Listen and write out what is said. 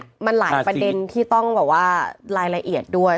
มันหลายประเด็นที่ต้องแบบว่ารายละเอียดด้วย